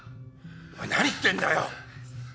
お前何言ってんだよ！